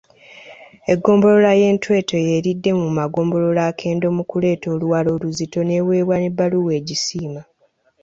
Eggombolola y'e Ntwetwe y'eridde mu magombolola akendo mu kuleeta Oluwalo oluzito n'eweebwa n'ebbaluwa egisiima.